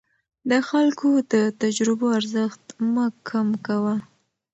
د خلکو د تجربو ارزښت مه کم کوه.